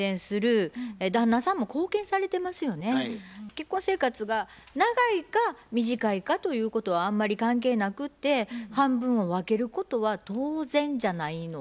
結婚生活が長いか短いかということはあんまり関係なくて半分を分けることは当然じゃないのかなと思います。